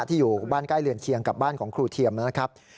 อยู่บ้านใกล้เรือนเคียงกับบ้านของครูเทียมนะครับ